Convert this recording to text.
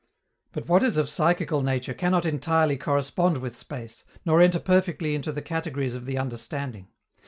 But what is of psychical nature cannot entirely correspond with space, nor enter perfectly into the categories of the understanding.